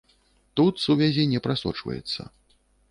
Тут сувязі не прасочваецца.